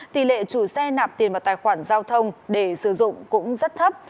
tỷ lệ chủ xe nạp tiền vào tài khoản giao thông để sử dụng cũng rất thấp